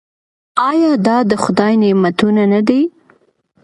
آیا دا د خدای نعمتونه نه دي؟